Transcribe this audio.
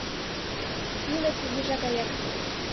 Иле кугыжа гаяк.